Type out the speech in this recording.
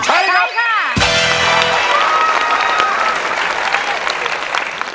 ใช่ค่ะ